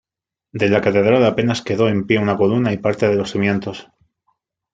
De la catedral apenas quedó en pie una columna y parte de los cimientos.